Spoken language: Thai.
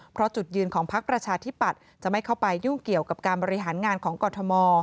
เพราะจุดยืนของพักประชาธิปัตย์จะไม่เข้าไปยุ่งเกี่ยวกับการบริหารงานของกรทม